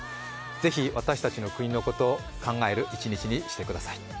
ぜひ私たちの国のことを考える一日にしてください。